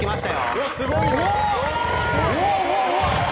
うわすごい！